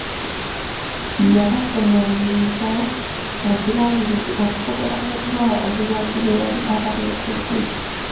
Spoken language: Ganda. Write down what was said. Yabakungaanyiriza mu kibangirizi okusobola okubawa obuyambi bwe yali abaleetedde.